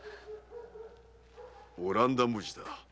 オランダ文字だ。